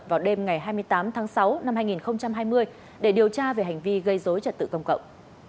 vào đêm ngày hai mươi tám tháng sáu năm hai nghìn hai mươi để điều tra về hành vi gây dối trật tự công cộng